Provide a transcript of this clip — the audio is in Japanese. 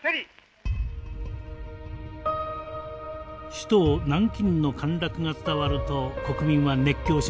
首都南京の陥落が伝わると国民は熱狂しました。